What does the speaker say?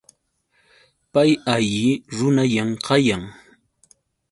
Pay alli runallam kayan.